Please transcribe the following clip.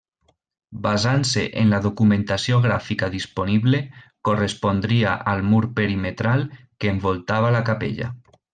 Basant-se en la documentació gràfica disponible, correspondria al mur perimetral que envoltava la capella.